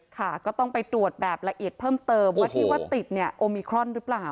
ค่ะก็ต้องไปตรวจแบบละเอียดเพิ่มเติมว่าที่ว่าติดเนี่ยโอมิครอนหรือเปล่า